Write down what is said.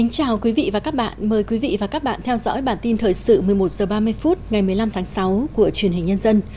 chào mừng quý vị đến với bản tin thời sự một mươi một h ba mươi phút ngày một mươi năm tháng sáu của truyền hình nhân dân